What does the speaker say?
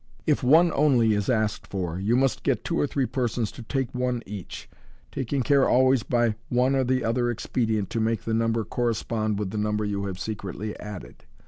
If one only is asked for, you must get two or three per sons to take one each, taking care always by one or the other expe dient to make the number correspond with the number you have secretly added.